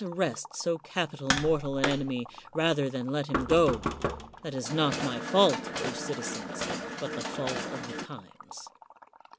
'^ 114 CICERO arrest so capital mortal an enemy rather than let him go — that is not my fault, citizens, but the fault of the times.